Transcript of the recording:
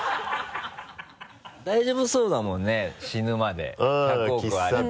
大丈夫そうだもんね死ぬまで１００億あれば。